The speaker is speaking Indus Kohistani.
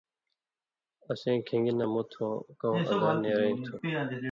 اسیں کِھن٘گی نہ مُت کؤں ادا نېرہَیں تُھو۔